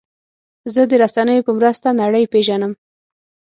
زه د رسنیو په مرسته نړۍ پېژنم.